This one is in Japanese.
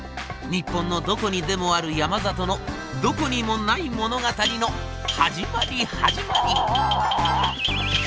日本のどこにでもある山里のどこにもない物語の始まり始まり。